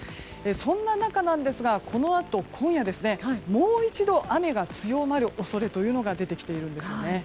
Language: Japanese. そんな中ですがこのあと今夜もう一度雨が強まる恐れが出てきているんですね。